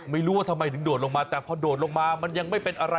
ไม่ทันมันหล่นลงมาแล้ว